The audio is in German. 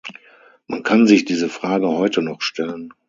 Man kann sich diese Frage heute noch stellen.